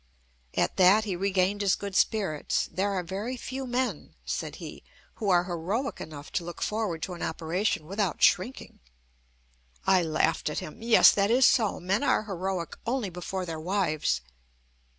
At that he regained his good spirits: "There are very few men," said he, "who are heroic enough to look forward to an operation without shrinking." I laughed at him: "Yes, that is so. Men are heroic only before their wives!"